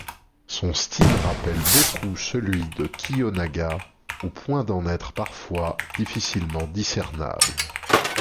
Son style rappelle beaucoup celui de Kiyonaga, au point d'en être parfois difficilement discernable.